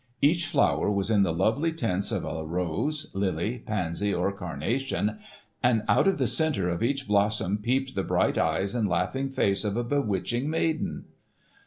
Each flower was in the lovely tints of a rose, lily, pansy or carnation, and out of the centre of each blossom peeped the bright eyes and laughing face of a bewitching maiden.